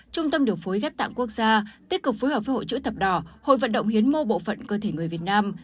trung tâm điều phối ghép tạng quốc gia tích cực phối hợp với hội chữ thập đỏ hội vận động hiến mô bộ phận cơ thể người việt nam